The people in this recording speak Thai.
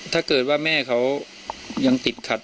ถ้าเกิดว่าแม่เขายังติดขัด